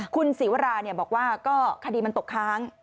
คุณศรีวราบอกว่าก็คดีมันตกค้าง